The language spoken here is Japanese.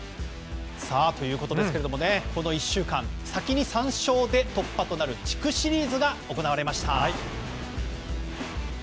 この１週間先に３勝で突破となる地区シリーズが行われました。